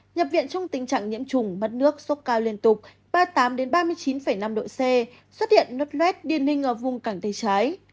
nhập viện trong tình trạng nhiễm chủng mất nước sốc cao liên tục ba mươi tám ba mươi chín năm độ c xuất hiện nốt lét điên hình ở vùng cảnh tay trái